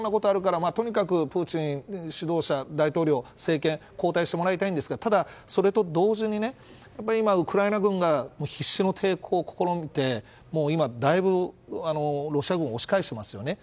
とにかくプーチン、指導者大統領交代してもらいたいんですがそれと同時に今、ウクライナ軍が必死の抵抗を試みて今、だいぶロシア軍を押し返していますよね。